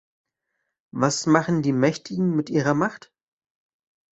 Was machen die Mächtigen mit ihrer Macht?